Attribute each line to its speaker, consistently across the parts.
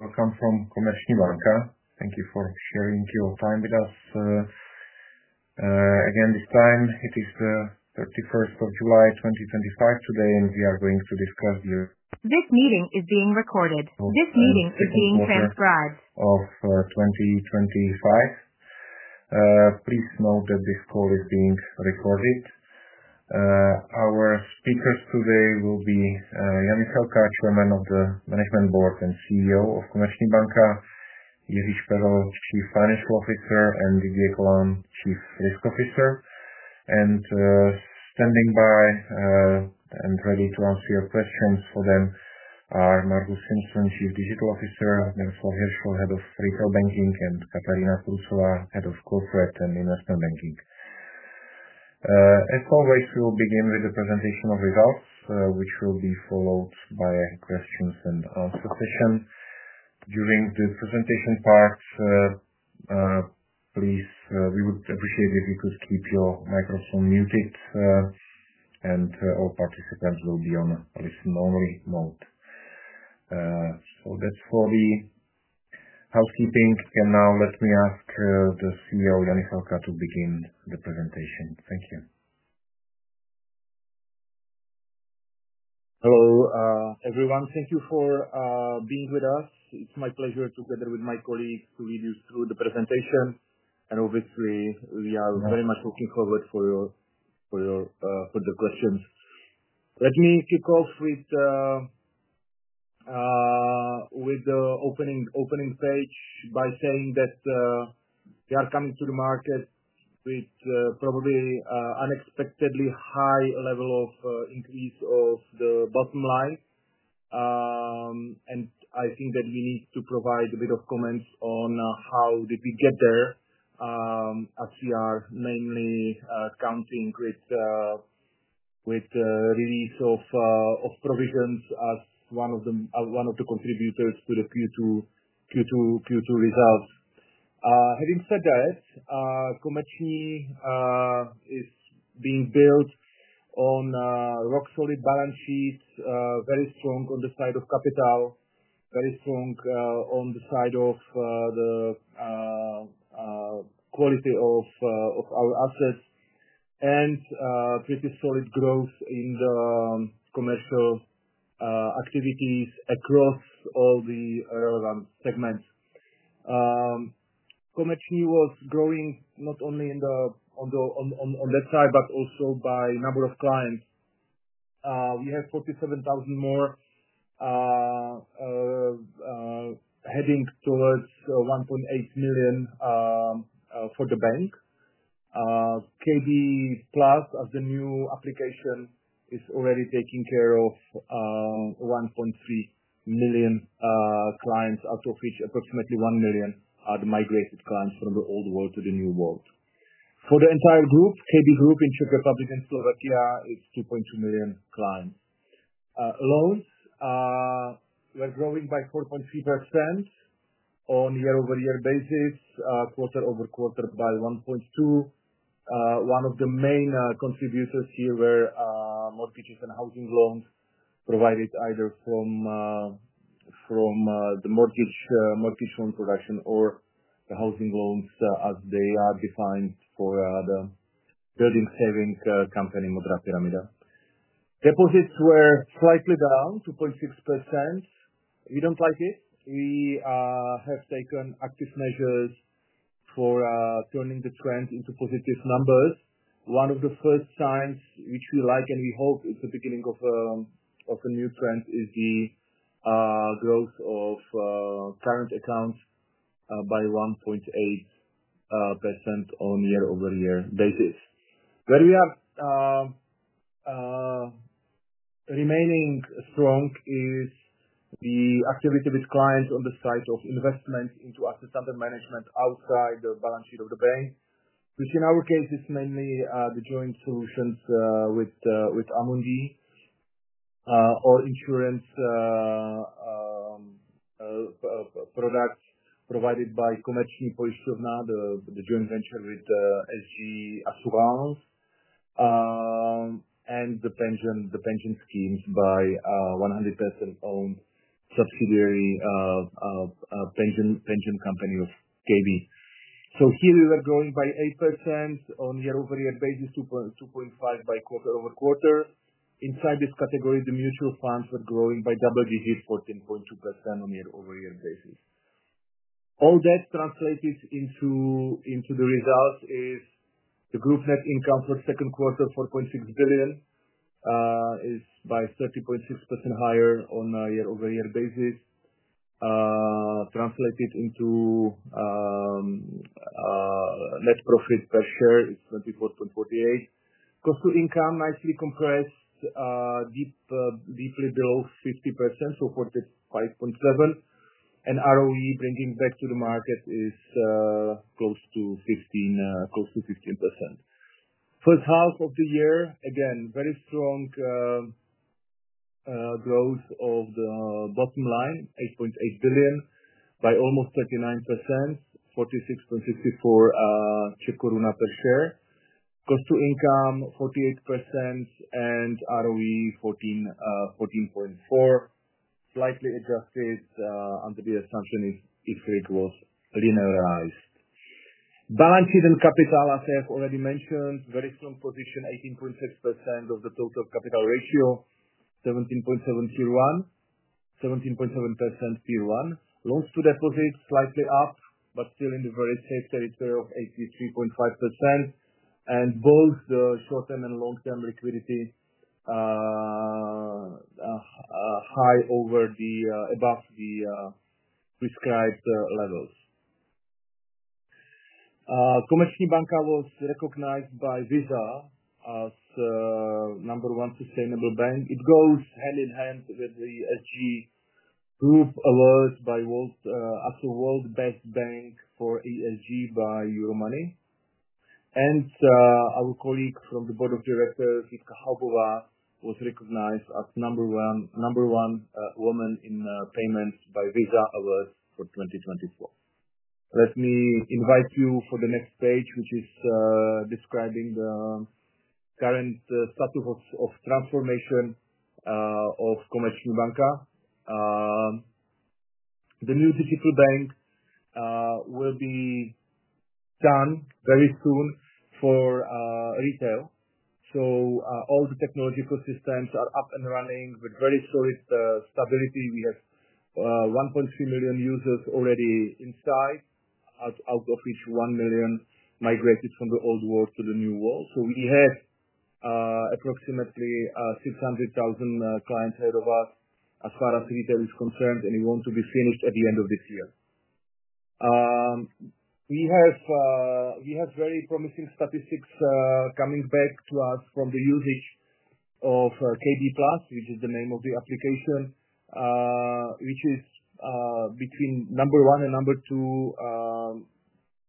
Speaker 1: Welcome from Komerční banka. Thank you for sharing your time with us. This time it is the 31st of July 2025 today, and we are going to discuss the. This meeting is being recorded. This meeting is being transcribed. Of 2025. Please note that this call is being recorded. Our speakers today will be Jan Juchelka, Chairman of the Management Board and CEO of Komerční banka, Jiří Šperl, Chief Financial Officer, and Didier Colin, Chief Risk Officer. Standing by and ready to answer your questions for them are Margus Simson, Chief Digital Officer, Miroslav Hirsl, Head of Retail Banking, and Katarína Kurucová, Head of Corporate and Investment Banking. As always, we will begin with the presentation of results, which will be followed by a question and answer session. During the presentation part, we would appreciate it if you could keep your microphone muted, and all participants will be on a listen-only mode. That's for the housekeeping. Now let me ask the CEO, Jan Juchelka, to begin the presentation. Thank you.
Speaker 2: Hello, everyone. Thank you for being with us. It's my pleasure together with my colleagues to lead you through the presentation. We are very much looking forward to your questions. Let me kick off with the opening page by saying that we are coming to the market with probably an unexpectedly high level of increase of the bottom line. I think that we need to provide a bit of comments on how did we get there, as we are mainly counting with the release of provisions as one of the contributors to the Q2 results. Having said that, Komerční is being built on a rock-solid balance sheet, very strong on the side of capital, very strong on the side of the quality of our assets, and pretty solid growth in the commercial activities across all the relevant segments. Komerční was growing not only on that side, but also by a number of clients. We have 47,000 more heading towards 1.8 million for the bank. KB+ as the new application is already taking care of 1.3 million clients, out of which approximately 1 million are the migrated clients from the old world to the new world. For the entire group, KB Group in Czech Republic and Slovakia, it's 2.2 million clients. Loans, we're growing by 4.3% on a year-over-year basis, quarter-over-quarter by 1.2%. One of the main contributors here were mortgages and housing loans provided either from the mortgage loan production or the housing loans as they are defined for the building savings company, Modrá pyramida. Deposits were slightly down, 2.6%. We don't like it. We have taken active measures for turning the trend into positive numbers. One of the first signs which we like and we hope is the beginning of a new trend is the growth of current accounts by 1.8% on a year-over-year basis. Where we are remaining strong is the activity with clients on the side of investment into assets under management outside the balance sheet of the bank, which in our case is mainly the joint solutions with Amundi or insurance products provided by Komerční Pojišťovna, the joint venture with SG Assurance, and the pension schemes by a 100% owned subsidiary pension company of KB. Here we were growing by 8% on a year-over-year basis, 2.5% by quarter-over-quarter. Inside this category, the mutual funds were growing by double digits, 14.2% on a year-over-year basis. All that translated into the results is the group net income for the second quarter, 4.6 billion, is by 30.6% higher on a year-over-year basis. Translated into net profit per share, it's 24.48. Cost-to-income nicely compressed, deeply below 50%, so 45.7%. And ROE, bringing back to the market, is close to 15%. First half of the year, again, very strong growth of the bottom line, 8.8 billion, by almost 39%, 46.64 Czech koruna per share. Cost-to-income, 48%, and ROE, 14.4%, slightly adjusted under the assumption if it was linearized. Balance sheet and capital, as I have already mentioned, very strong position, 18.6% of the total capital ratio, 17.7% P/1. Loans to deposits, slightly up, but still in the very safe territory of 83.5%. Both the short-term and long-term liquidity are high above the prescribed levels. Komerční banka was recognized by Visa as the number one sustainable bank. It goes hand in hand with the SG Group award as a World's Best Bank for ESG by Euromoney. Our colleague from the Board of Directors, Jitka Haubová, was recognized as the number one woman in payments by Visa Awards for 2024. Let me invite you for the next page, which is describing the current status of transformation of Komerční banka. The new digital bank will be done very soon for retail. All the technological systems are up and running with very solid stability. We have 1.3 million users already in site, out of which 1 million migrated from the old world to the new world. We have approximately 600,000 clients ahead of us as far as retail is concerned, and we want to be finished at the end of this year. We have very promising statistics coming back to us from the usage of KB+, which is the name of the application, which is between number one and number two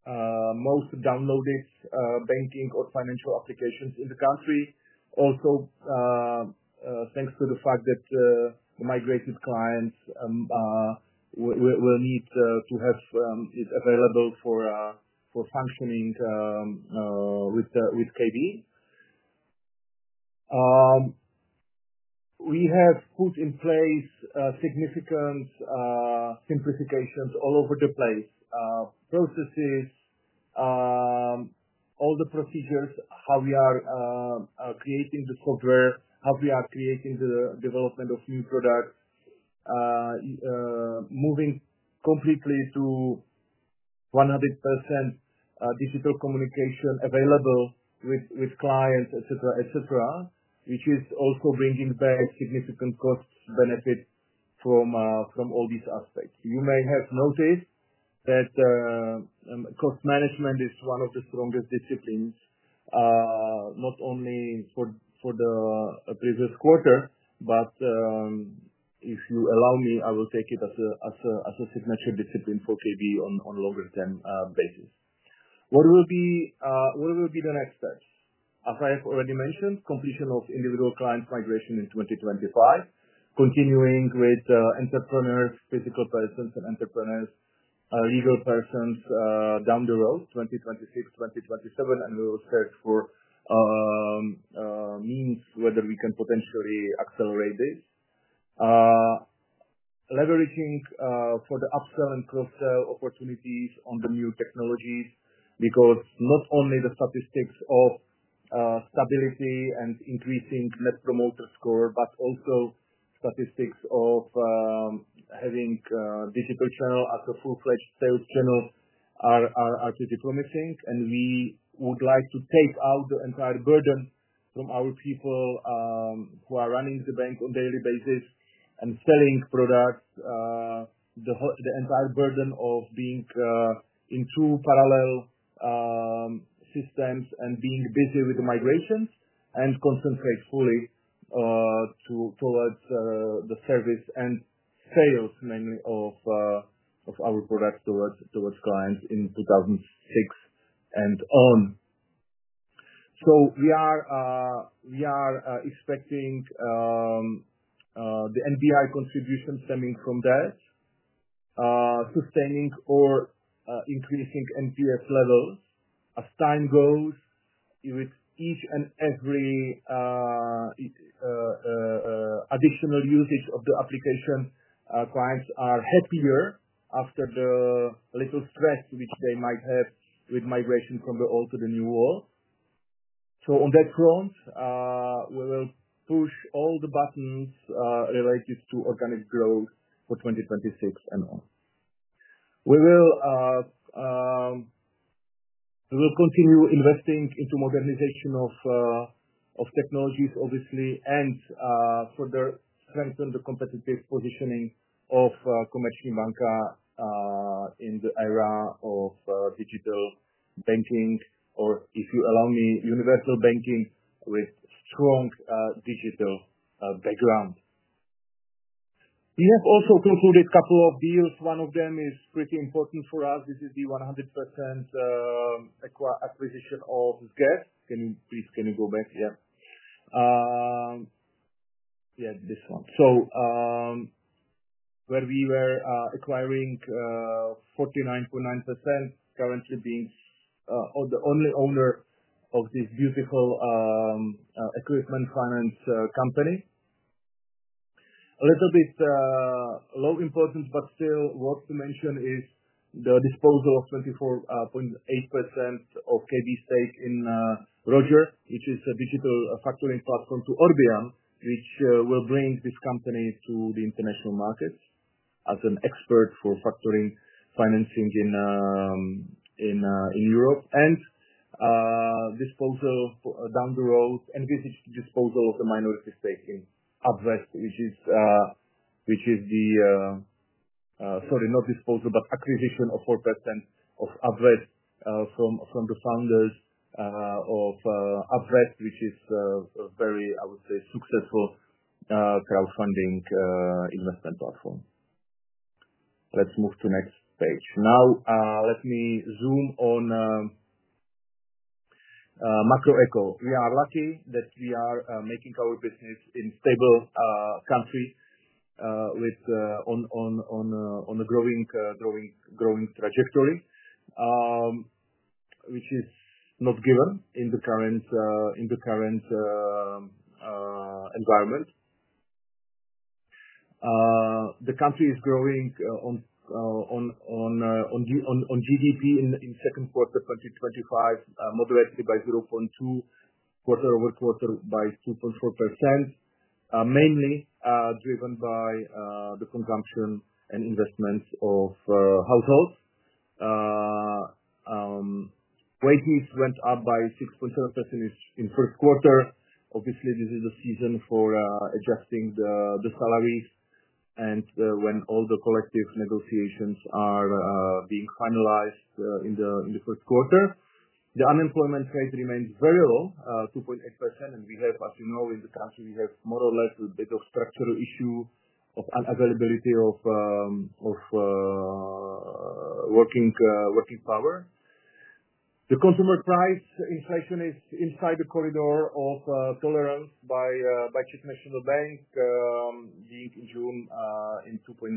Speaker 2: most downloaded banking or financial applications in the country. Also, thanks to the fact that the migrated clients will need to have it available for functioning with KB. We have put in place significant simplifications all over the place, processes, all the procedures, how we are creating the software, how we are creating the development of new products, moving completely to 100% digital communication available with clients, etc., etc., which is also bringing back significant cost benefit from all these aspects. You may have noticed that cost management is one of the strongest disciplines, not only for the previous quarter, but if you allow me, I will take it as a signature discipline for KB on a longer-term basis. What will be the next steps? As I have already mentioned, completion of individual clients' migration in 2025, continuing with entrepreneurs, physical persons, and entrepreneurs, legal persons down the road, 2026, 2027, and we will search for means whether we can potentially accelerate this. Leveraging for the up-sell and cross-sell opportunities on the new technologies because not only the statistics of stability and increasing net promoter score, but also statistics of having a digital channel as a full-fledged sales channel are pretty promising. We would like to take out the entire burden from our people who are running the bank on a daily basis and selling products, the entire burden of being in two parallel systems and being busy with the migrations and concentrate fully towards the service and sales mainly of our products towards clients in 2026 and on. We are expecting the NBI contribution stemming from that, sustaining or increasing NPS levels. As time goes, with each and every additional usage of the application, clients are happier after the little stress which they might have with migration from the old to the new world. On that front, we will push all the buttons related to organic growth for 2026 and on. We will continue investing into modernization of technologies, obviously, and further strengthen the competitive positioning of Komerční banka in the era of digital banking, or if you allow me, universal banking with a strong digital background. We have also concluded a couple of deals. One of them is pretty important for us. This is the 100% acquisition of SGEF. Can you please, can you go back? Yeah. Yeah, this one. Where we were acquiring 49.9%, currently being the only owner of this beautiful equipment finance company. A little bit low importance, but still worth to mention is the disposal of 24.8% of KB stake in Roger, which is a digital factoring platform to Orbian, which will bring this company to the international markets as an expert for factoring financing in Europe. Disposal down the road, envisage the disposal of the minority stake in Upvest, which is the, sorry, not disposal, but acquisition of 4% of Upvest from the founders of Upvest, which is a very, I would say, successful crowdfunding investment platform. Let's move to the next page. Now, let me zoom on Macroeco. We are lucky that we are making our business in a stable country with a growing trajectory, which is not given in the current environment. The country is growing on GDP in the second quarter of 2025, moderately by 0.2, quarter-over-quarter by 2.4%, mainly driven by the consumption and investments of households. Wages went up by 6.7% in the first quarter. Obviously, this is the season for adjusting the salaries and when all the collective negotiations are being finalized in the first quarter. The unemployment rate remains very low, 2.8%. We have, as you know, in the country, more or less a bit of structural issue of unavailability of working power. The consumer price inflation is inside the corridor of tolerance by Czech National Bank, being in June in 2.9%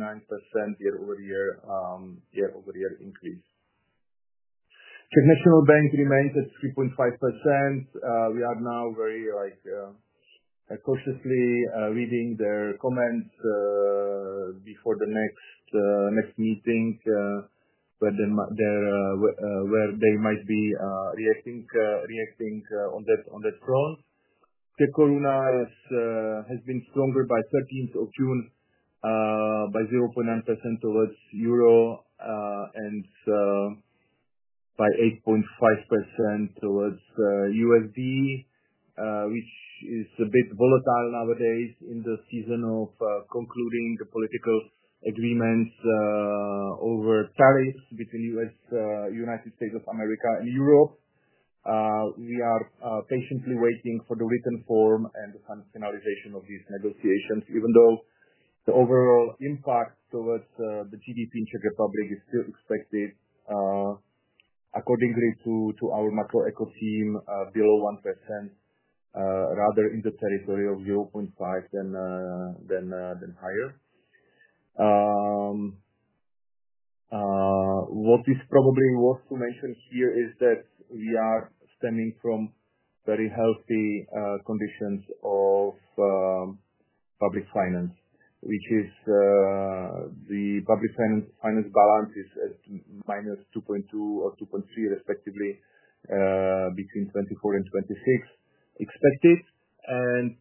Speaker 2: year-over-year increase. Czech National Bank remains at 3.5%. We are now very cautiously reading their comments before the next meeting where they might be reacting on that front. Czech Kč has been stronger by 13th of June, by 0.9% towards euro, and by 8.5% towards USD, which is a bit volatile nowadays in the season of concluding the political agreements over tariffs between the United States of America and Europe. We are patiently waiting for the written form and the finalization of these negotiations, even though the overall impact towards the GDP in Czech Republic is still expected, according to our Macroeco team, below 1%, rather in the territory of 0.5% than higher. What is probably worth to mention here is that we are stemming from very healthy conditions of public finance, which is the public finance balance is at -2.2 or -2.3, respectively, between 24 and 26 expected, and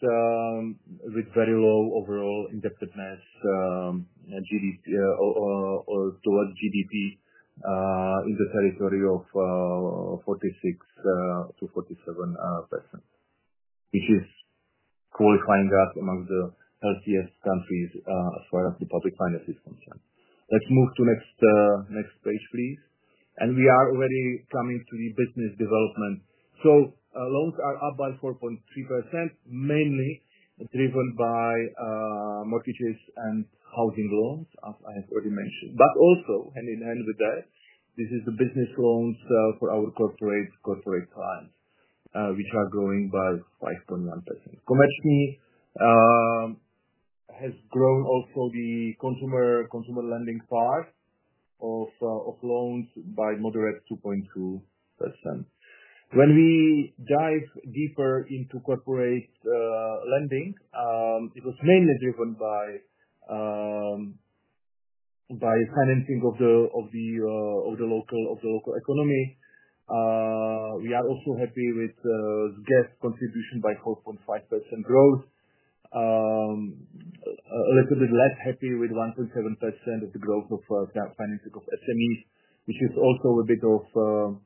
Speaker 2: with very low overall indebtedness towards GDP in the territory of 46%-47%, which is qualifying us among the healthiest countries as far as the public finance is concerned. Let's move to the next page, please. We are already coming to the business development. Loans are up by 4.3%, mainly driven by mortgages and housing loans, as I have already mentioned. Also hand in hand with that, this is the business loans for our corporate clients, which are growing by 5.1%. Komerční has grown also the consumer lending part of loans by a moderate 2.2%. When we dive deeper into corporate lending, it was mainly driven by financing of the local economy. We are also happy with SGEF contribution by 4.5% growth. A little bit less happy with 1.7% of the growth of financing of SMEs, which is also a bit of an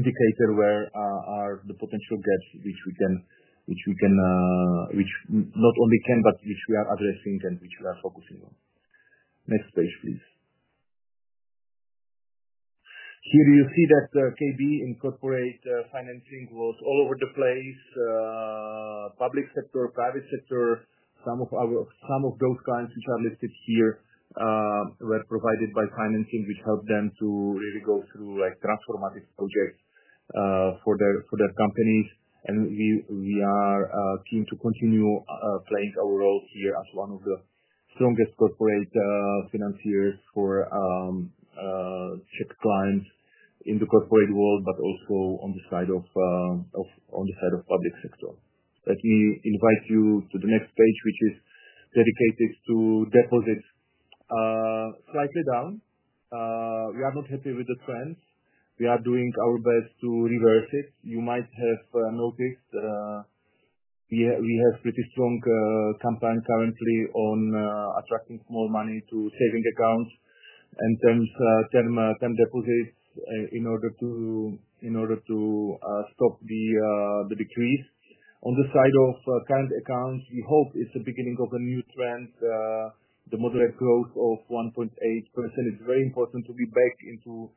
Speaker 2: indicator where are the potential gaps, which we can, which not only can, but which we are addressing and which we are focusing on. Next page, please. Here you see that KB in corporate financing was all over the place. Public sector, private sector, some of those clients which are listed here were provided by financing, which helped them to really go through like transformative projects for their companies. We are keen to continue playing our role here as one of the strongest corporate financiers for Czech clients in the corporate world, but also on the side of public sector. Let me invite you to the next page, which is dedicated to deposits. Slightly down. We are not happy with the trends. We are doing our best to reverse it. You might have noticed we have a pretty strong campaign currently on attracting more money to savings accounts and term deposits in order to stop the decrease. On the side of current accounts, we hope it's the beginning of a new trend. The moderate growth of 1.8% is very important to be back into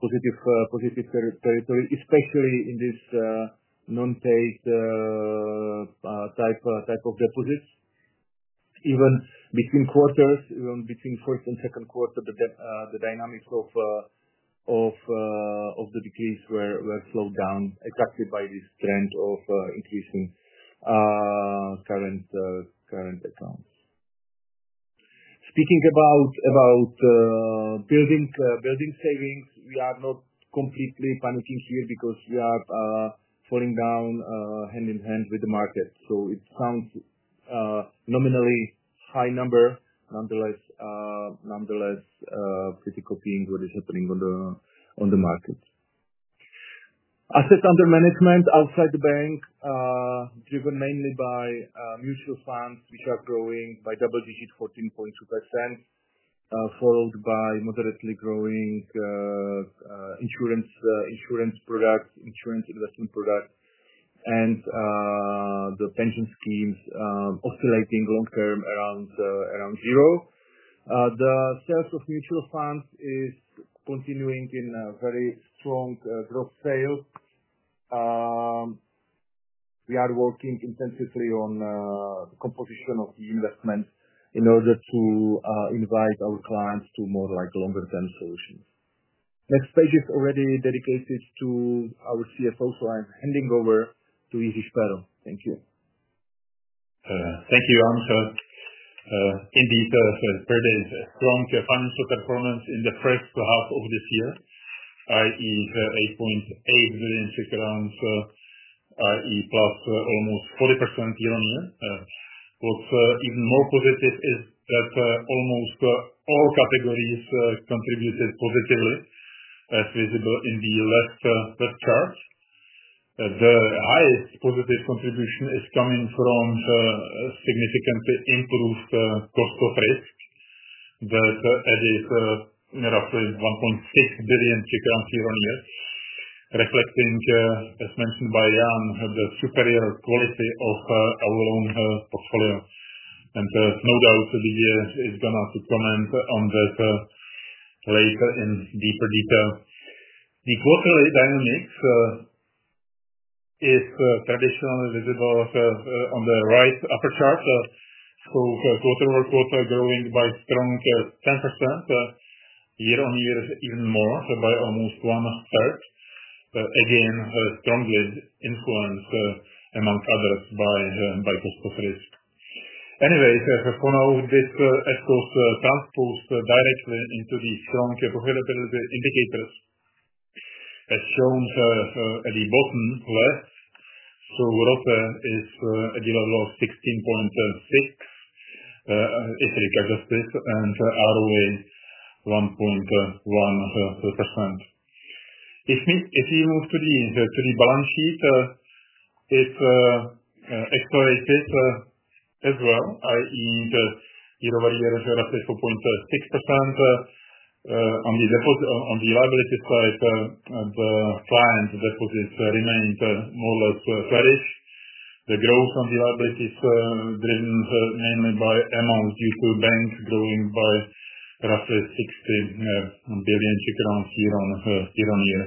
Speaker 2: positive territory, especially in this non-paid type of deposits. Even between quarters, even between first and second quarter, the dynamics of the decrease were slowed down, attracted by this trend of increasing current accounts. Speaking about building savings, we are not completely panicking here because we are falling down hand in hand with the market. It sounds a nominally high number, nonetheless pretty copying what is happening on the market. Assets under management outside the bank, driven mainly by mutual funds, which are growing by double digit 14.2%, followed by moderately growing insurance products, insurance investment products, and the pension schemes oscillating long-term around zero. The sales of mutual funds are continuing in a very strong growth sale. We are working intensively on the composition of the investments in order to invite our clients to more like longer-term solutions. Next page is already dedicated to our CFO, so I'm handing over to Jiří Šperl. Thank you.
Speaker 3: Thank you, Jan Juchelka. Indeed, Fed is strong financial performance in the first half of this year, i.e., CZK 8.8 billion, i.e., plus almost 40% year-on-year. What's even more positive is that almost all categories contributed positively as visible in the left chart. The highest positive contribution is coming from a significantly improved cost of risk that is roughly 1.6 billion year-on-year, reflecting, as mentioned by Jan, the superior quality of our loan portfolio. No doubt Didier is going to comment on that later in deeper detail. The quarterly dynamics is traditionally visible on the right upper chart. Quarter-over-quarter growing by a strong 10%, year-on-year even more, by almost 1/3. Again, strongly influenced among others by cost of risk. For now, this echoes transpose directly into the strong capability indicators as shown at the bottom left. ROTE is at the level of 16.6, historically adjusted, and ROA 1.1%. If you move to the balance sheet, it's accelerated as well, i.e., year-over-year is roughly 4.6%. On the liability side, the client deposits remain more or less flattish. The growth on the liabilities is driven mainly by amount due to the bank growing by roughly 60 billion year-on-year.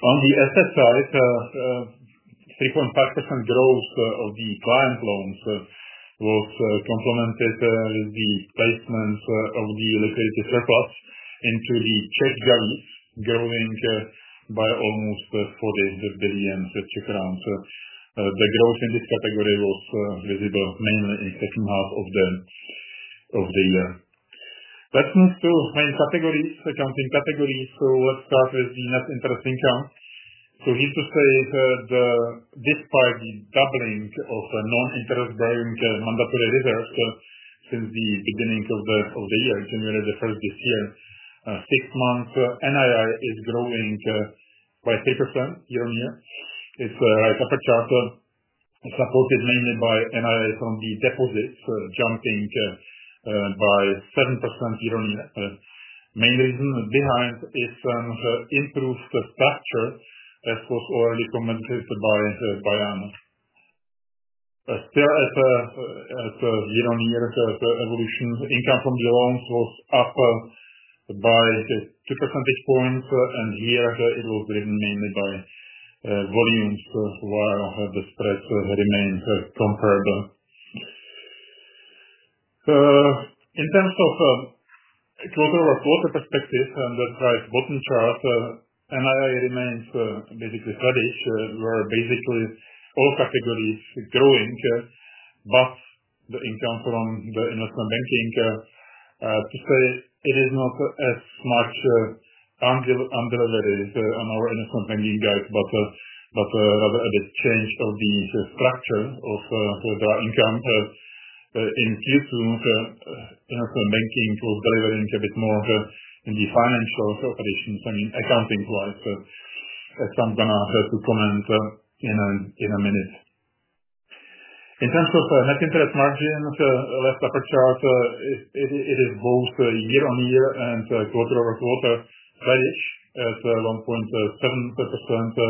Speaker 3: On the asset side, 3.5% growth of the client loans was complemented with the placement of the liquidity surplus into the Czech JOIC, growing by almost 40 billion Czech crowns. The growth in this category was visible mainly in the second half of the year. Let's move to main accounting categories. Let's start with the net interest income. Here to say that despite the doubling of non-interest-bearing mandatory reserves since the beginning of the year, January 1st this year, six months NII is growing by 3% year-on-year. It's a right upper chart. It's supported mainly by NII from the deposits, jumping by 7% year-on-year. The main reason behind is an improved structure, as was already commented by Jan. Still, at year-on-year evolution, income from the loans was up by 2 percentage points. Here, it was driven mainly by volumes while the spreads remained comparable. In terms of a quarter-over-quarter perspective, and that's right bottom chart, NII remains basically flattish, where basically all categories are growing, but the income from the investment banking, to say, it is not as much undelivered on our investment banking guide, but rather a bit changed of the structure of the income. In Q2, investment banking was delivering a bit more in the financial operations, I mean, accounting-wise. As I'm going to have to comment in a minute. In terms of net interest margins, left upper chart, it is both year-on-year and quarter-over-quarter flattish at 1.7%.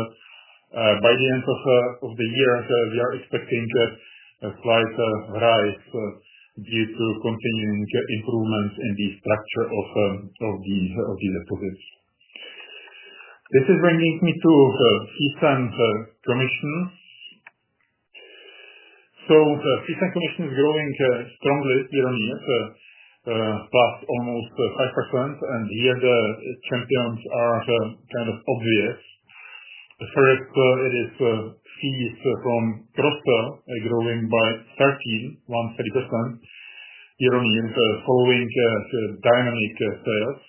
Speaker 3: By the end of the year, we are expecting a slight rise due to continuing improvements in the structure of the deposits. This is bringing me to fees and commissions. The fees and commissions are growing strongly year-on-year, plus almost 5%. Here, the champions are kind of obvious. The first, it is fees from cross-sell growing by 13.1% year-on-year, following the dynamic sales.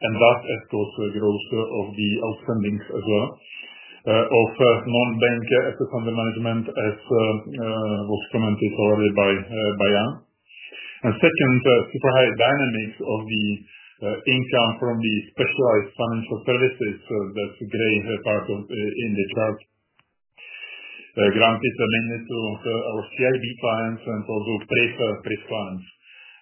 Speaker 3: That, of course, grows of the outstandings as well of non-bank assets under management, as was commented already by Jan. Second, super high dynamics of the income from the specialized financial services, that gray part in the chart. Granted, mainly to our CIB clients and also PREF clients.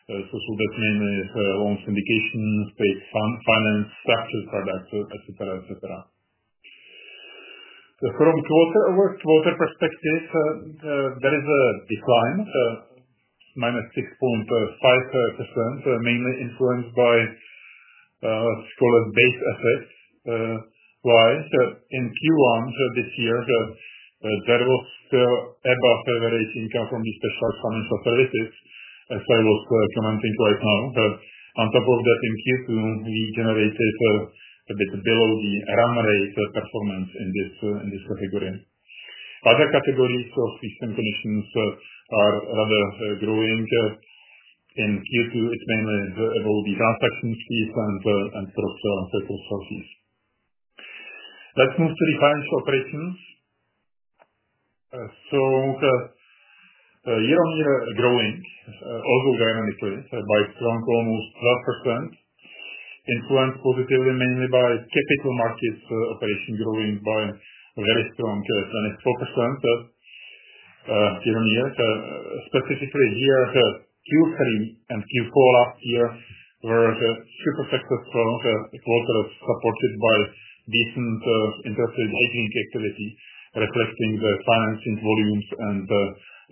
Speaker 3: That's mainly loan syndication, state finance, structured products, etc., etc. From a quarter-over-quarter perspective, there is a decline, minus 6.5%, mainly influenced by, let's call it, base assets. Why? In Q1 this year, there was above average income from the specialized financial services, as I was commenting right now. On top of that, in Q2, we generated a bit below the run rate performance in this category. Other categories of fees and commissions are rather growing. In Q2, it's mainly about the transaction fees and cross-sell fees. Let's move to the financial operations. Year-on-year growing, also dynamically, by a strong almost 12%. Influenced positively mainly by capital markets operation growing by a very strong 24% year-on-year. Specifically here, Q3 and Q4 last year were super successful, a quarter supported by decent interest hedging activity, reflecting the financing volumes and the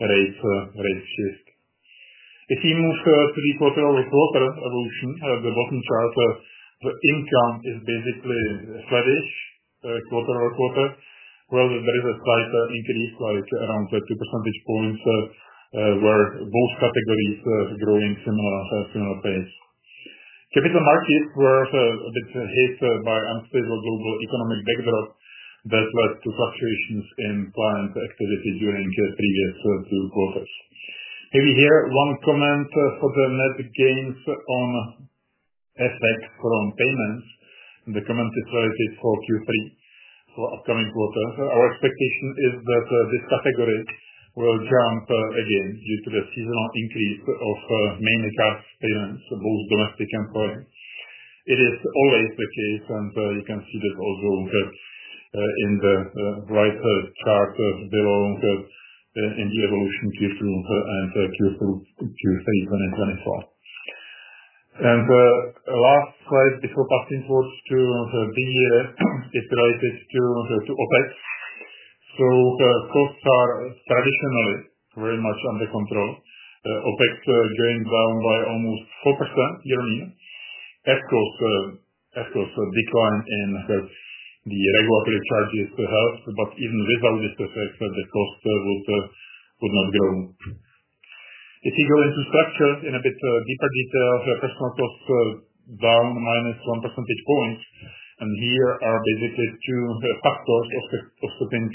Speaker 3: rate shift. If you move to the quarter-over-quarter evolution, the bottom chart, the income is basically flattish quarter-over-quarter. There is a slight increase, like around 2 percentage points, where both categories are growing at a similar pace. Capital markets were a bit hit by unstable global economic backdrop that led to fluctuations in client activity during the previous two quarters. Maybe here one comment for the net gains on effect from payments. The comment is related for Q3, for upcoming quarters. Our expectation is that this category will jump again due to the seasonal increase of mainly cash payments, both domestic and foreign. It is always the case, and you can see this also in the right chart below in the evolution Q2 and Q3 2024. The last slide before passing towards Q3 is related to OpEx. Costs are traditionally very much under control. OpEx is going down by almost 4% year-on-year. ESCO's decline in the regulatory charges helps, but even without this effect, the cost would not grow. If you go into structure in a bit deeper detail, the personnel costs are down minus 1 percentage point. Here are basically two factors offsetting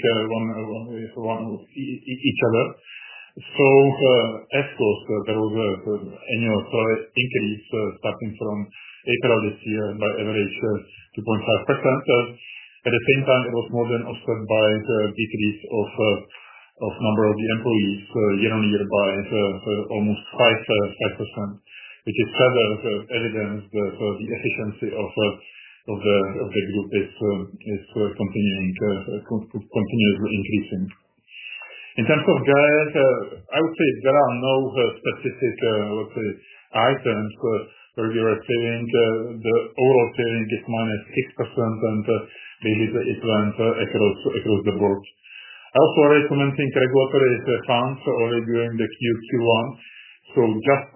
Speaker 3: each other. So, ESCO's, there was an annual salary increase starting from April this year by average 2.5%. At the same time, it was more than offset by the decrease of the number of the employees year-on-year by almost 5%, which is further evidence that the efficiency of the group is continuously increasing. In terms of SGEF, I would say there are no specific, let's say, items where we were saying the overall savings is -6%, and basically, it went across the board. I also already commented regulatory funds already during the Q1. Just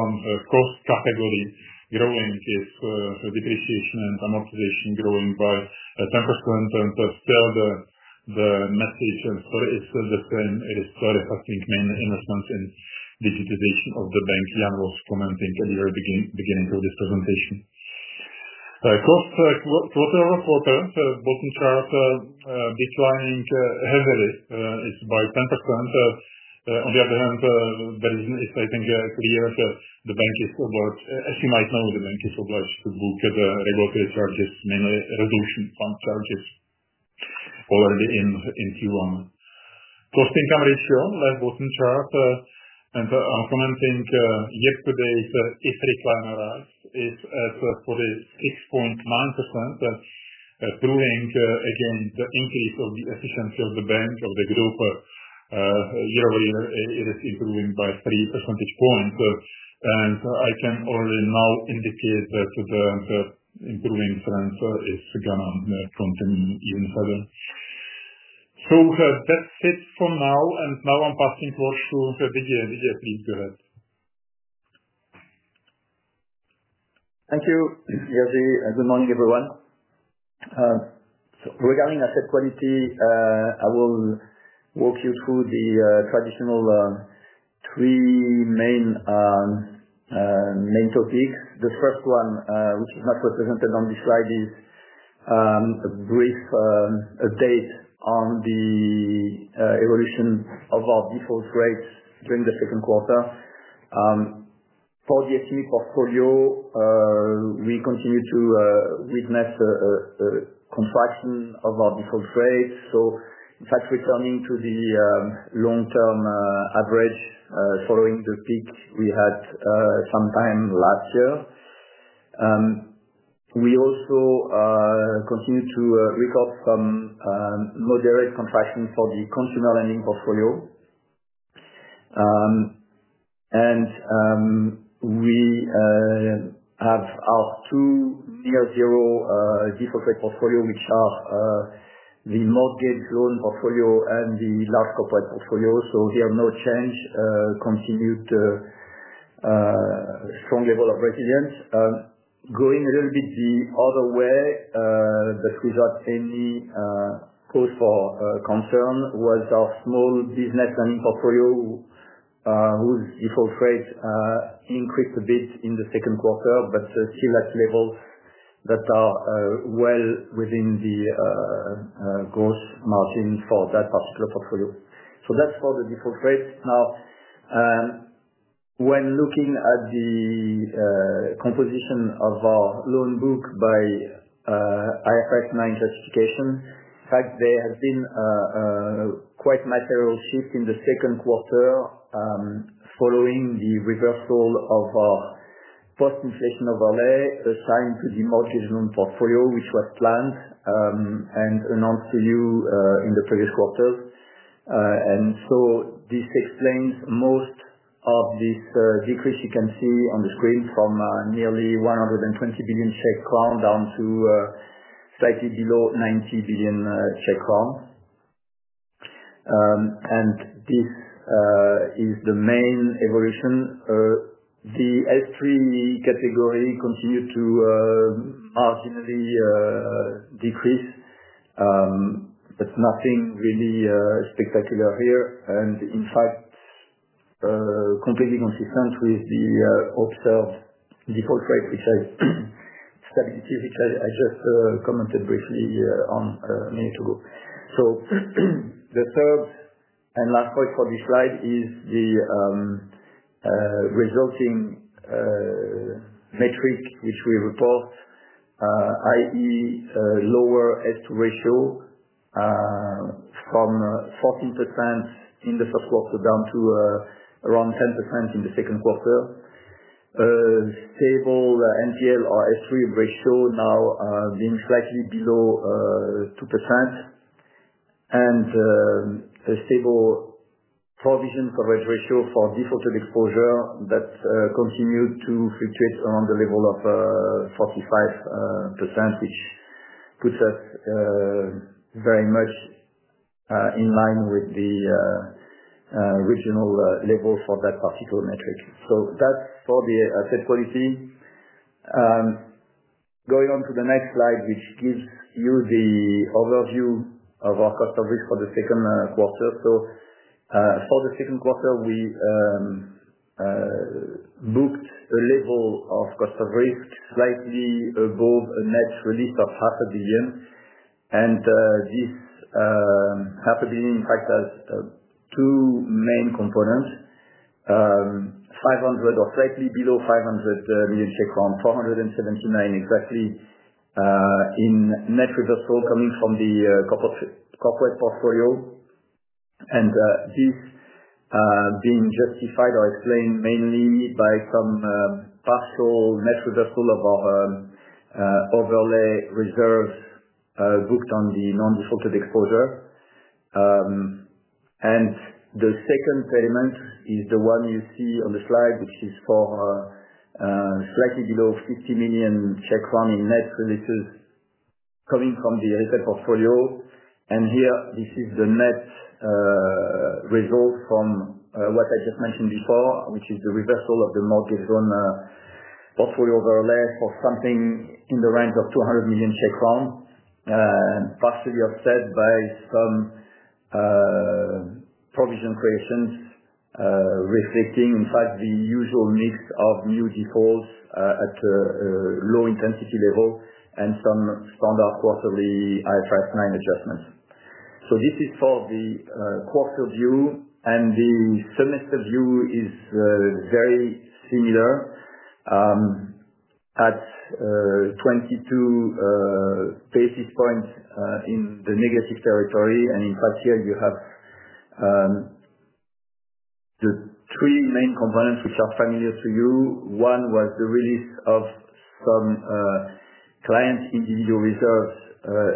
Speaker 3: one cost category growing is depreciation and amortization growing by 10%. The message is the same. It is still reflecting mainly investments in digitization of the bank, Jan was commenting at the very beginning of this presentation. Costs quarter-over-quarter, bottom chart declining heavily. It's by 10%. On the other hand, there is an exciting clear that the bank is, as you might know, the bank is obliged to book the regulatory charges, mainly resolution fund charges already in Q1. Cost-to-income ratio, left bottom chart. I'm commenting yesterday's historic line arrived. It's at 46.9%, proving again the increase of the efficiency of the bank, of the group. Year-over-year, it is improving by 3 percentage points. I can already now indicate that the improving trend is going to continue even further. That's it from now. Now I'm passing towards to Didier. Didier, please go ahead.
Speaker 4: Thank you, Jiří. Good morning, everyone. Regarding asset quality, I will walk you through the traditional three main topics. The first one, which is not represented on this slide, is a brief update on the evolution of our default rates during the second quarter. For the SME portfolio, we continue to witness a contraction of our default rates, in fact, returning to the long-term average following the peak we had sometime last year. We also continue to recover from moderate contraction for the consumer lending portfolio. We have our two near-zero default rate portfolios, which are the mortgage loan portfolio and the large corporate portfolio. Here, no change, continued strong level of resilience. Going a little bit the other way, but without any cause for concern, was our small business lending portfolio, whose default rate increased a bit in the second quarter, but still at levels that are well within the gross margin for that particular portfolio. That's for the default rate. Now, when looking at the composition of our loan book by IFRS 9 classification, there has been a quite material shift in the second quarter following the reversal of our post-inflation overlay assigned to the mortgage loan portfolio, which was planned and announced to you in the previous quarter. This explains most of this decrease you can see on the screen from nearly CZK 120 billion down to slightly below CZK 90 billion. This is the main evolution. The L3 category continued to marginally decrease, but nothing really spectacular here, and in fact, completely consistent with the observed default rate, which has stability, which I just commented briefly on a minute ago. The third and last point for this slide is the resulting metric, which we report, i.e., lower S2 ratio from 14% in the first quarter down to around 10% in the second quarter. Stable NPL or S3 ratio now being slightly below 2%, and a stable provision coverage ratio for defaulted exposure that continued to fluctuate around the level of 45%, which puts us very much in line with the regional level for that particular metric. That's for the asset quality. Going on to the next slide, which gives you the overview of our cost of risk for the second quarter. For the second quarter, we booked a level of cost of risk slightly above a net release of 500 million. This half a billion, in fact, has two main components: 500 million or slightly below 500 million, 479 million exactly in net reversal coming from the corporate portfolio. This is justified or explained mainly by some partial net reversal of our overlay reserves booked on the non-defaulted exposure. The second element is the one you see on the slide, which is for slightly below 50 million in net releases coming from the retail portfolio. This is the net result from what I just mentioned before, which is the reversal of the mortgage loan portfolio overlay for something in the range of CZK 200 million, partially offset by some provision creations reflecting the usual mix of new defaults at a low intensity level and some standard quarterly IFRS 9 adjustments. This is for the quarter view, and the semester view is very similar at 22 basis points in the negative territory. Here you have the three main components which are familiar to you. One was the release of some client individual reserves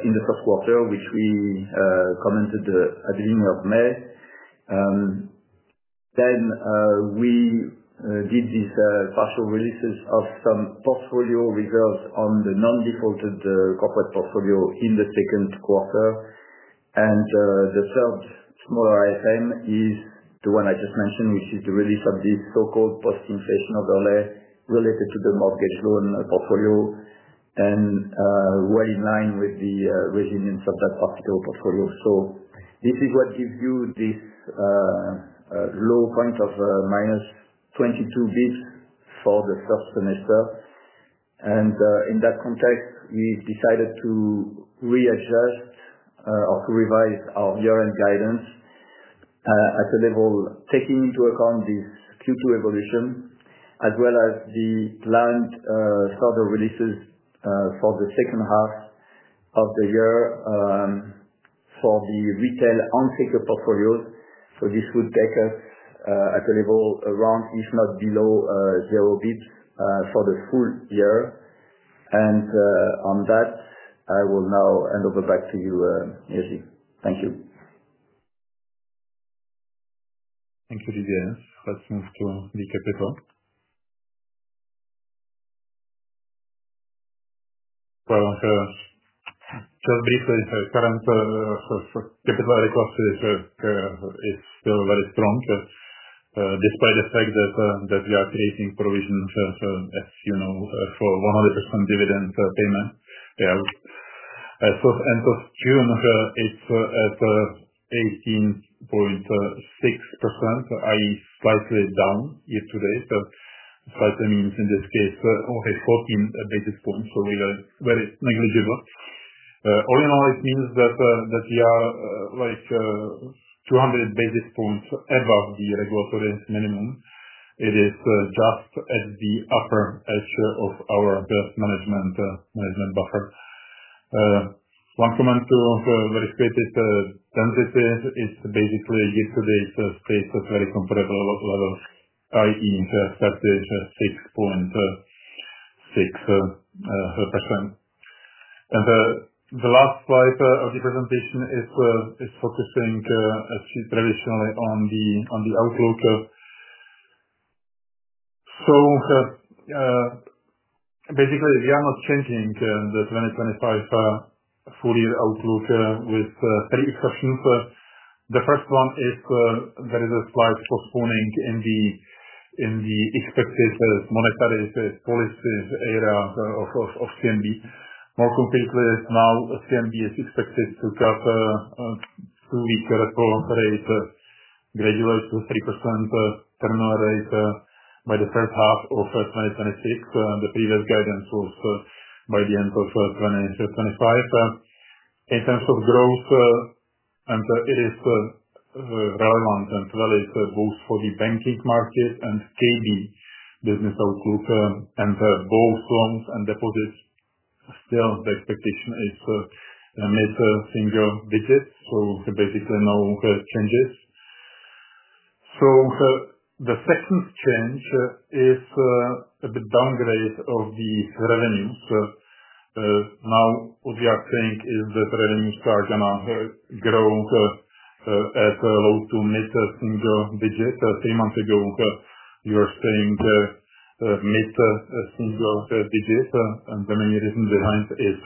Speaker 4: in the first quarter, which we commented at the beginning of May. We did these partial releases of some portfolio reserves on the non-defaulted corporate portfolio in the second quarter. The third smaller item is the one I just mentioned, which is the release of the so-called post-inflation overlay related to the mortgage loan portfolio and in line with the resilience of that particular portfolio. This is what gives you this low point of -22 bps for the first semester. In that context, we decided to readjust or to revise our year-end guidance at a level taking into account this Q2 evolution, as well as the planned further releases for the second half of the year for the retail on-taker portfolios. This would take us at a level around, if not below, 0 bps for the full year. I will now hand over back to you, Jiří. Thank you.
Speaker 3: Thank you, Didier. Let's move to the capital. Just briefly, the current capital request is still very strong, despite the fact that we are creating provisions, as you know, for 100% dividend payment. As of end of June, it's at 18.6%, i.e., slightly down yesterday. Slightly means in this case, only 14 basis points, so it was very negligible. All in all, it means that we are like 200 basis points above the regulatory minimum. It is just at the upper edge of our best management buffer. One comment very quickly: density is basically yesterday's space at a very comparable level, i.e., 36.6%. The last slide of the presentation is focusing, as traditionally, on the outlook. Basically, we are not changing the 2025 full-year outlook with three exceptions. The first one is there is a slight postponing in the expected monetary policy era of ČNB. More concretely, now ČNB is expected to cut a two-week repo rate gradually to 3% terminal rate by the first half of 2026. The previous guidance was by the end of 2025. In terms of growth, it is relevant and valid both for the banking market and KB business outlook. Both loans and deposits, still the expectation is a mid-single digit, so there are basically no changes. The second change is a bit downgrade of the revenues. Now, what we are saying is that revenues are going to grow at low to mid-single digit. Three months ago, we were saying mid-single digit. The main reason behind is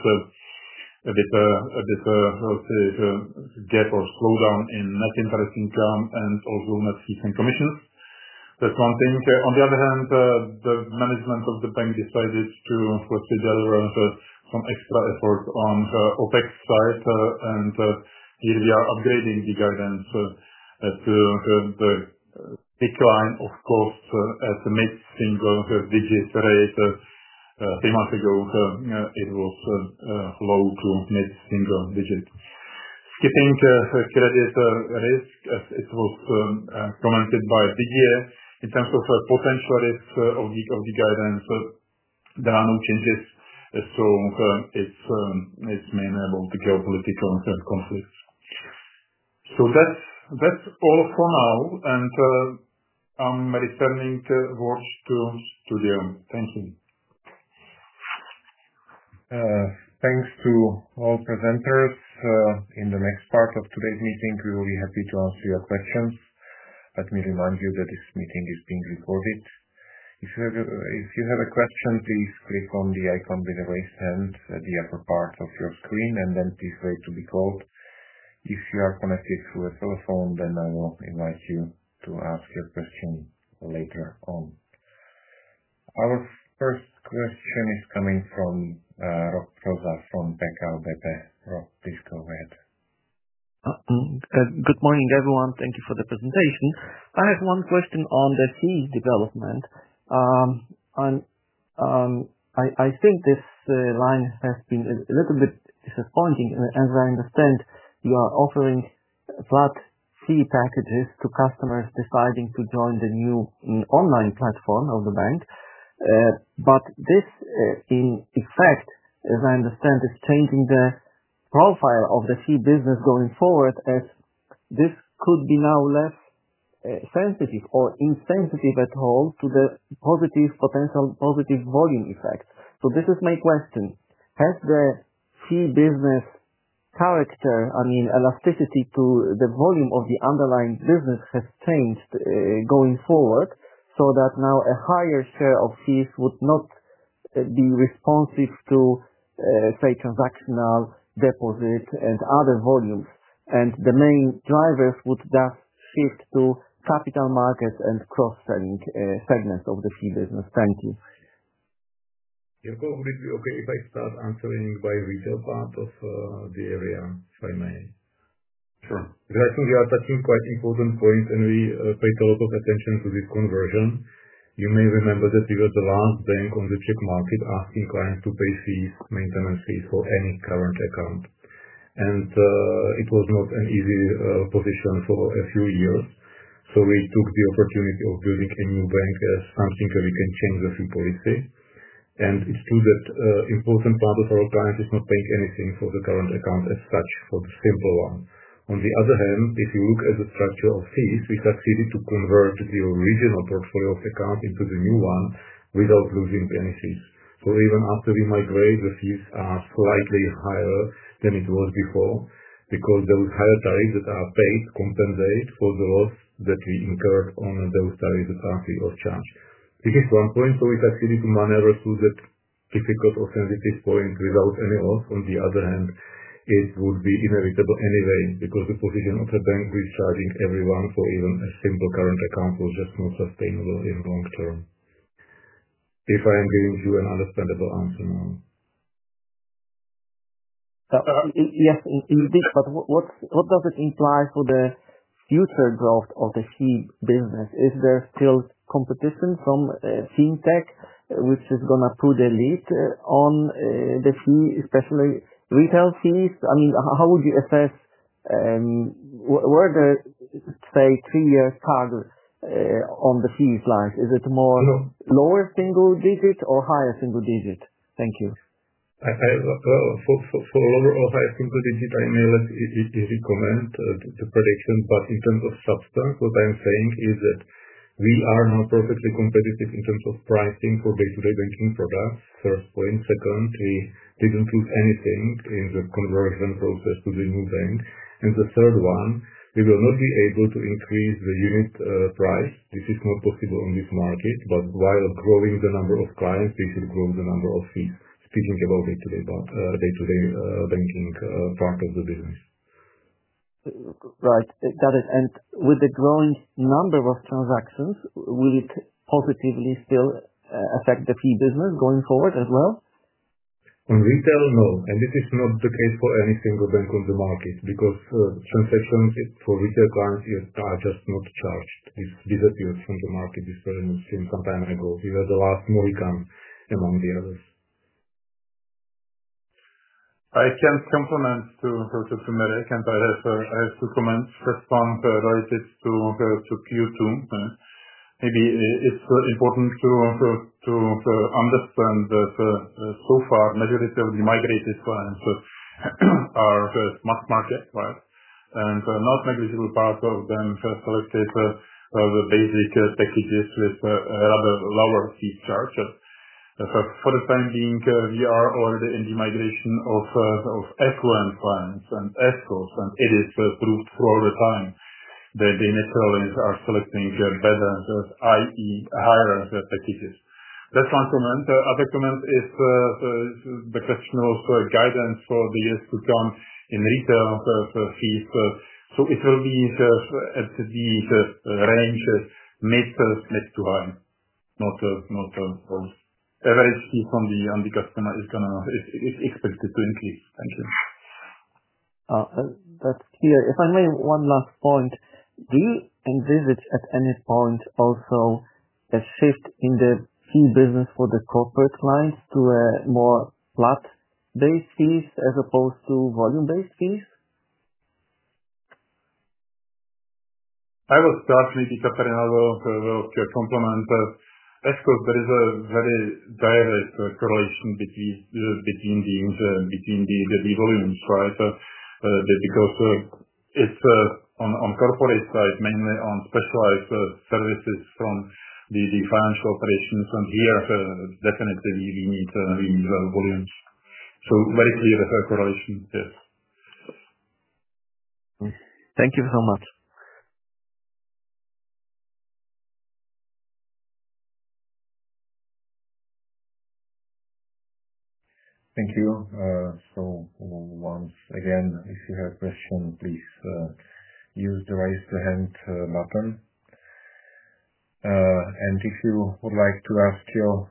Speaker 3: a bit of a gap or slowdown in net interest income and also net fees and commissions. That's one thing. On the other hand, the management of the bank decided to put together some extra efforts on OpEx side. Here, we are upgrading the guidance to the decline of costs at the mid-single digit rate. Three months ago, it was low to mid-single digit. Skipping credit risk, as it was commented by Didier, in terms of potential risks of the guidance, there are no changes. It's mainly about the geopolitical conflicts. That's all for now. I'm returning towards the studio. Thank you.
Speaker 1: Thanks to all presenters. In the next part of today's meeting, we will be happy to answer your questions. Let me remind you that this meeting is being recorded. If you have a question, please click on the icon with a raised hand at the upper part of your screen, and then please wait to be called. If you are connected through a telephone, then I will invite you to ask your question later on. Our first question is coming from Rob Cross from Beckel BPE. Rob, please go ahead. Good morning, everyone. Thank you for the presentation. I have one question on the fees development. I think this line has been a little bit disappointing. As I understand, you are offering flat fee packages to customers deciding to join the new online platform of the bank. This, in effect, as I understand, is changing the profile of the fee business going forward, as this could be now less sensitive or insensitive at all to the potential positive volume effect. This is my question. Has the fee business character, I mean, elasticity to the volume of the underlying business, changed going forward so that now a higher share of fees would not be responsive to, say, transactional deposits and other volumes? The main drivers would thus shift to capital markets and cross-selling segments of the fee business. Thank you.
Speaker 5: Jiří, would it be okay if I start answering by the retail part of the area, if I may?
Speaker 3: Sure.
Speaker 5: Because I think you are touching quite important points, and we paid a lot of attention to this conversion. You may remember that we were the last bank on the Czech market asking clients to pay fees, maintenance fees for any current account. It was not an easy position for a few years. We took the opportunity of building a new bank as something that we can change the fee policy. It's true that an important part of our clients is not paying anything for the current account as such, for the simple one. On the other hand, if you look at the structure of fees, we succeeded to convert the original portfolio of accounts into the new one without losing any fees. Even after we migrate, the fees are slightly higher than it was before because those higher tariffs that are paid compensate for the loss that we incurred on those tariffs that are free of charge. This is one point. We succeeded to maneuver through that difficult or sensitive point without any loss. On the other hand, it would be inevitable anyway because the position of the bank, which is charging everyone for even a simple current account, was just not sustainable in the long term. If I am giving you an understandable answer now. Yes, indeed. What does it imply for the future growth of the fee business? Is there still competition from fintech, which is going to put a lid on the fee, especially retail fees? How would you assess, what are the, say, three-year targets on the fees like? Is it more lower single digit or higher single digit? Thank you. For a lower or higher single digit, I may let you recommend the prediction. In terms of substance, what I'm saying is that we are now perfectly competitive in terms of pricing for day-to-day banking products. First point. Second, we didn't lose anything in the conversion process to the new bank. The third one, we will not be able to increase the unit price. This is not possible on this market. While growing the number of clients, we should grow the number of fees, speaking about the day-to-day banking part of the business. With the growing number of transactions, will it positively still affect the fee business going forward as well? On retail, no. This is not the case for any single bank on the market because transactions for retail clients are just not charged. This disappeared from the market. This is a very new thing some time ago. We were the last Mohican among the others.
Speaker 3: I can't complement to MedEc, and I have to comment. The first one related to Q2. Maybe it's important to understand that so far, majority of the migrated clients are the smart market, right? A non-negligible part of them have selected the basic packages with a rather lower fee charge. For the time being, we are already in the migration of equivalent clients. ESCO, and it is proved throughout the time that the initial lines are selecting better, i.e., higher packages. That's one comment. Other comment is the question of guidance for the years to come in retail fees. It will be at the range of mid to high, not a bonus. Average fees on the customer is expected to increase. Thank you. That's clear. If I may, one last point. Do you envisage at any point also a shift in the fee business for the corporate clients to a more flat-based fee as opposed to volume-based fees? I will start with the corporate component. ESCO, there is a very direct correlation between the volumes, right? It's on the corporate side, mainly on specialized services from the financial operations. Here, definitely, we need low volumes. Very clear correlation, yes. Thank you so much.
Speaker 1: Thank you. If you have a question, please use the raise the hand button. If you would like to ask your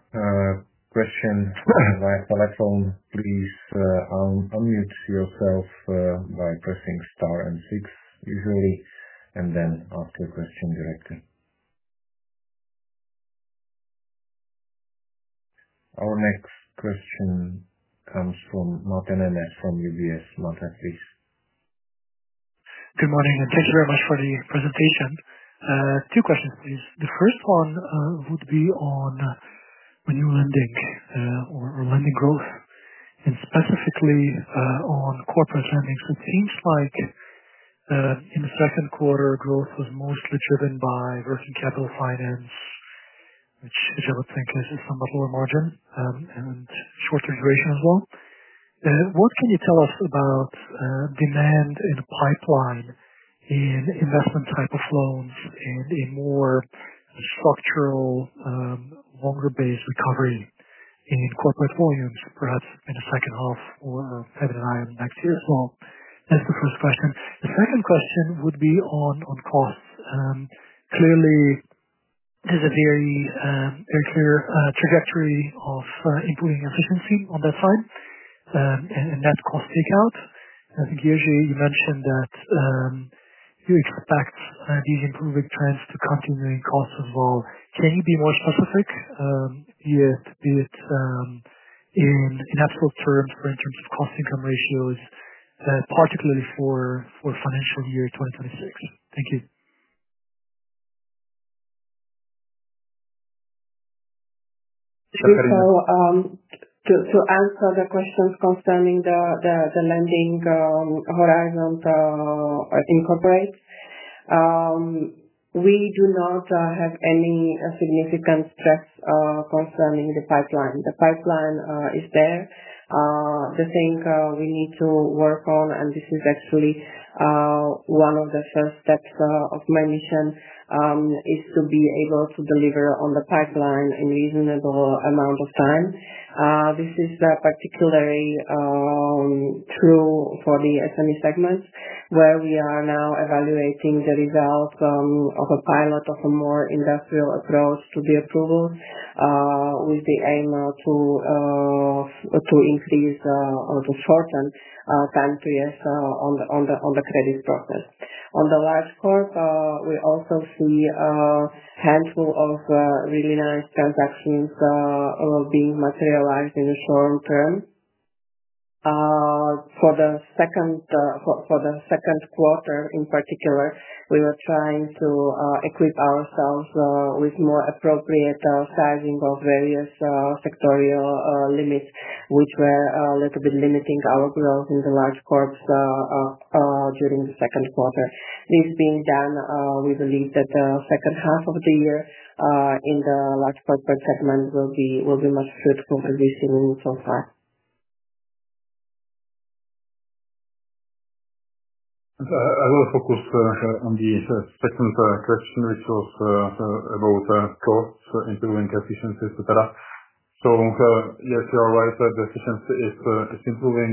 Speaker 1: question via telephone, please unmute yourself by pressing star and six, usually, and then ask your question directly. Our next question comes from Mate Nemes from UBS. Mate, please.
Speaker 6: Good morning. Thank you very much for the presentation. Two questions, please. The first one would be on renewal lending or lending growth, and specifically on corporate lendings. It seems like in the second quarter, growth was mostly driven by working capital finance, which I would think is a somewhat lower margin and shorter duration as well. What can you tell us about demand in the pipeline in investment type of loans and a more structural longer-based recovery in corporate volumes, perhaps in the second half or having an eye on next year as well? That's the first question. The second question would be on costs. Clearly, there's a very, very clear trajectory of improving efficiency on that side and net cost takeout. I think, Jiří, you mentioned that you expect these improving trends to continue in costs as well. Can you be more specific, be it in absolute terms or in terms of cost-to-income ratios, particularly for financial year 2026? Thank you.
Speaker 7: To answer the questions concerning the lending horizon in corporate, we do not have any significant stress concerning the pipeline. The pipeline is there. The thing we need to work on, and this is actually one of the first steps of my mission, is to be able to deliver on the pipeline in a reasonable amount of time. This is particularly true for the SME segments, where we are now evaluating the results of a pilot of a more industrial approach to be approval with the aim to increase or to shorten time periods on the credit process. On the large corp, we also see a handful of really nice transactions being materialized in the short term. For the second quarter, in particular, we were trying to equip ourselves with more appropriate sizing of various sectorial limits, which were a little bit limiting our growth in the large corps during the second quarter. This being done, we believe that the second half of the year in the large corporate segment will be much more fruitful than we've seen so far.
Speaker 3: I will focus on the second question, which was about costs, improving efficiency, etc. Yes, you are right that the efficiency is improving.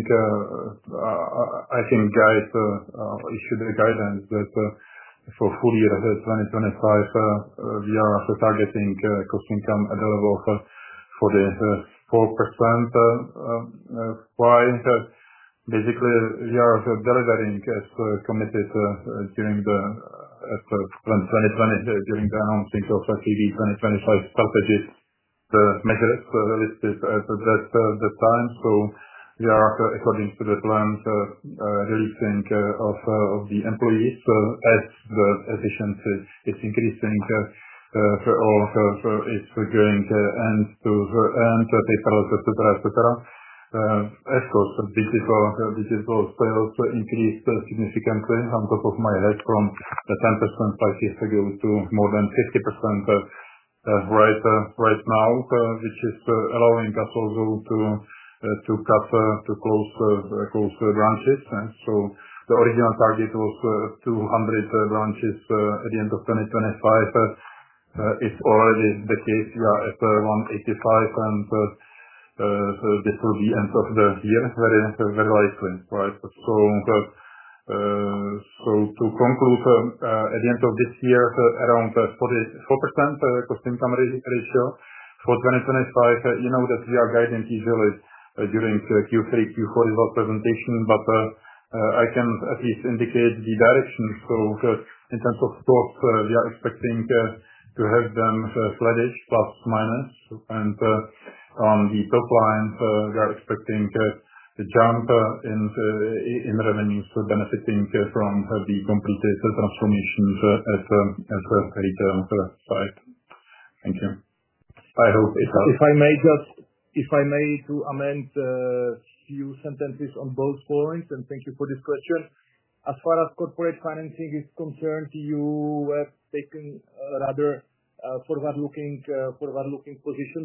Speaker 3: I think GES issued a guidance that for full year 2025, we are targeting cost-to-income at the level of 44%. Why? Basically, we are delivering as committed during 2020 during the announcing of CB 2025 strategy. The measure is listed at that time. We are, according to the plans, releasing employees as the efficiency is increasing or is going end to end, paperless, etc. ESCO's digital sales increased significantly, on top of my head, from 10% five years ago to more than 50% right now, which is allowing us also to close branches. The original target was 200 branches at the end of 2025. It's already the case. We are at 185, and this will be the end of the year very likely, right? To conclude, at the end of this year, around 44% cost-to-income ratio for 2025. You know that we are guiding easily during Q3, Q4 is our presentation, but I can at least indicate the direction. In terms of costs, we are expecting to have them flattish, plus minus. On the top line, we are expecting a jump in revenues benefiting from the completed transformations at the retail side. Thank you. I hope it helps.
Speaker 2: If I may just amend a few sentences on both points, and thank you for this question. As far as corporate financing is concerned, you have taken a rather forward-looking position.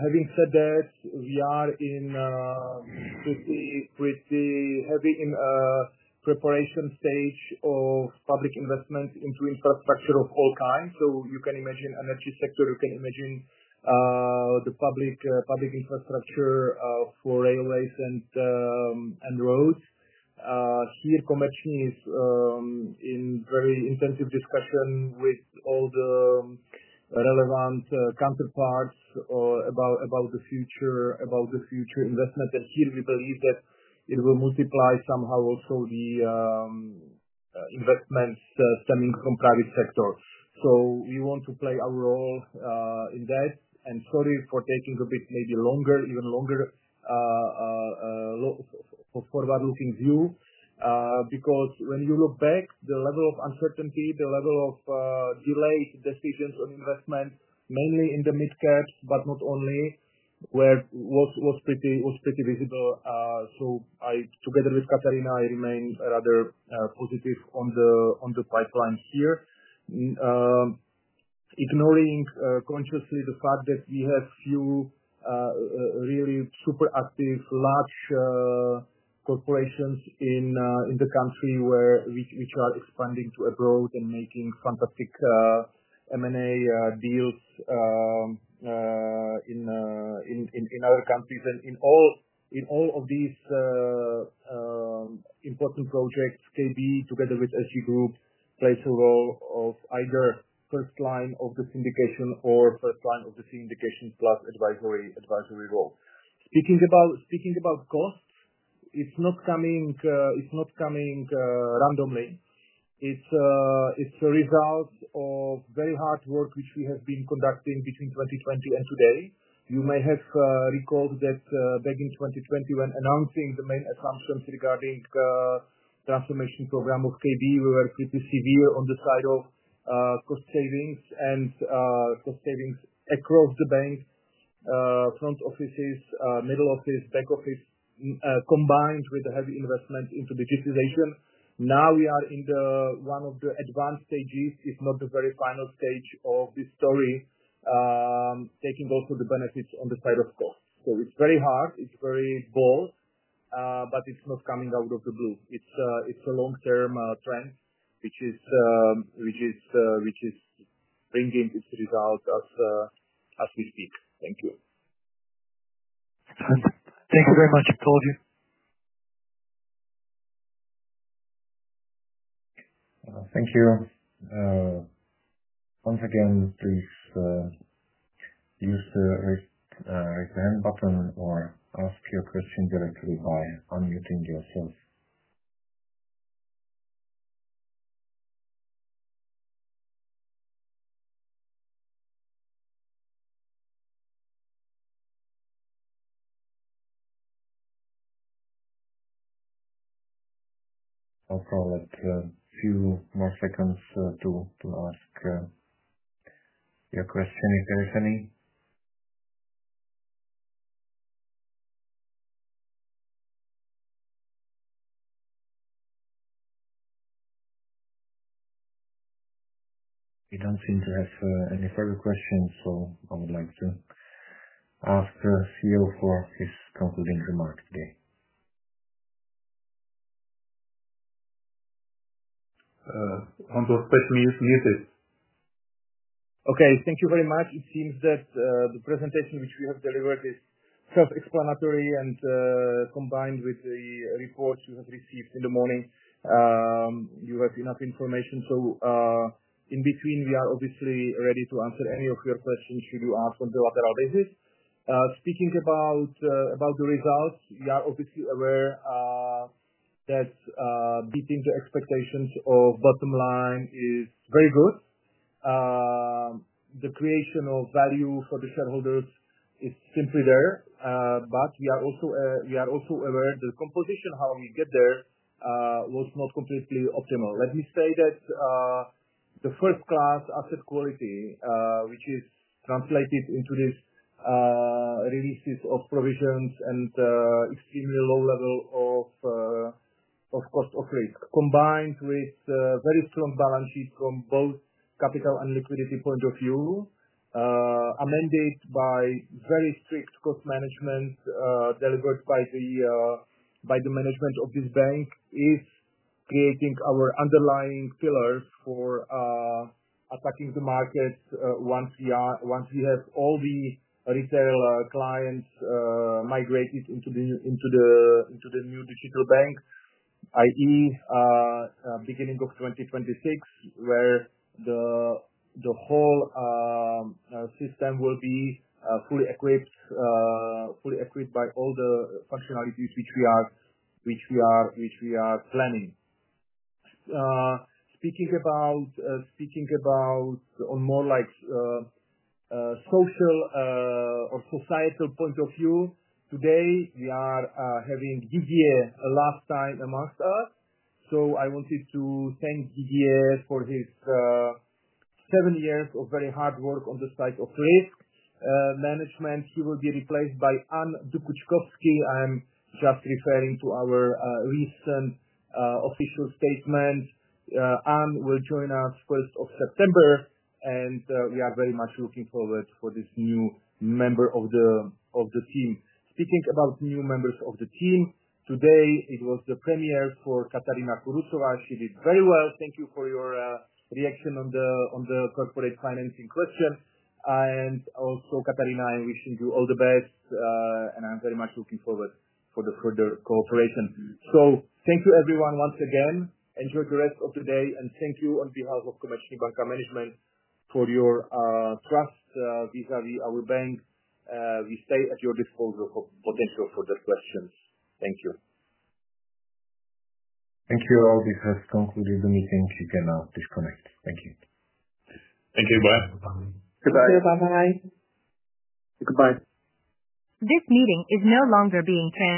Speaker 2: Having said that, we are in a pretty, pretty heavy preparation stage of public investments into infrastructure of all kinds. You can imagine the energy sector. You can imagine the public infrastructure for railways and roads. Here, Komerční is in very intensive discussion with all the relevant counterparts about the future investment. We believe that it will multiply somehow also the investments stemming from the private sector. We want to play our role in that. Sorry for taking maybe longer for a forward-looking view because when you look back, the level of uncertainty, the level of delayed decisions on investments, mainly in the mid-caps, but not only, was pretty visible. I, together with Katarína, remain rather positive on the pipeline here, ignoring consciously the fact that we have a few really super active large corporations in the country which are expanding abroad and making fantastic M&A deals in other countries. In all of these important projects, KB, together with SG Group, plays a role of either first line of the syndication or first line of the syndication plus advisory role. Speaking about costs, it's not coming randomly. It's a result of very hard work which we have been conducting between 2020 and today. You may have recalled that back in 2020, when announcing the main assumptions regarding the transformation program of KB, we were pretty severe on the side of cost savings and cost savings across the bank's front offices, middle office, back office, combined with the heavy investment into digitization. Now we are in one of the advanced stages, if not the very final stage of this story, taking also the benefits on the side of costs. It's very hard. It's very bold, but it's not coming out of the blue. It's a long-term trend which is bringing its results as we speak. Thank you.
Speaker 6: Thank you very much, all of you.
Speaker 1: Thank you. Once again, please use the raise the hand button or ask your question directly by unmuting yourself. I'll call it a few more seconds to ask your question if there is any. We don't seem to have any further questions, so I would like to ask the CEO for his concluding remark today.
Speaker 3: On those questions, you're muted.
Speaker 2: Okay. Thank you very much. It seems that the presentation which we have delivered is self-explanatory. Combined with the report you have received in the morning, you have enough information. In between, we are obviously ready to answer any of your questions should you ask on the lateral basis. Speaking about the results, you are obviously aware that beating the expectations of bottom line is very good. The creation of value for the shareholders is simply there. We are also aware that the composition, how we get there, was not completely optimal. Let me say that the first-class asset quality, which is translated into these releases of provisions and extremely low level of cost of risk, combined with very strong balance sheets from both capital and liquidity point of view, amended by very strict cost management delivered by the management of this bank, is creating our underlying pillars for attacking the market once we have all the retail clients migrated into the new digital bank, i.e., beginning of 2026, where the whole system will be fully equipped by all the functionalities which we are planning. Speaking about on more like social or societal point of view, today we are having Didier Colin last time amongst us. I wanted to thank Didier for his seven years of very hard work on the side of risk management. He will be replaced by Anne de Kouchkovsky. I'm just referring to our recent official statement. Anne will join us 1st of September, and we are very much looking forward to this new member of the team. Speaking about new members of the team, today it was the premier for Katarína Kurucová. She did very well. Thank you for your reaction on the corporate financing question. Also, Katarína, I'm wishing you all the best, and I'm very much looking forward to the further cooperation. Thank you, everyone, once again. Enjoy the rest of the day. Thank you on behalf of Komerční banka management for your trust vis-à-vis our bank. We stay at your disposal for potential further questions. Thank you.
Speaker 1: Thank you, all. This has concluded the meeting. You can now disconnect. Thank you.
Speaker 3: Thank you. Bye.
Speaker 4: Goodbye.
Speaker 7: See you soon. Bye.
Speaker 5: Goodbye.
Speaker 2: Goodbye.
Speaker 1: This meeting is no longer being held.